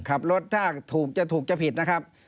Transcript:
ขับรถถ้าถูกจะถูกจะผิดนะครับ